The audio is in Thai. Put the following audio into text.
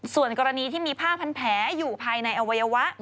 ส่วนกรณีที่มีผ้าพันแผลอยู่ภายในอวัยวะ